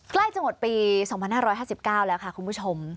ใกล้จะหมดปี๒๕๕๙แล้วค่ะคุณผู้ชม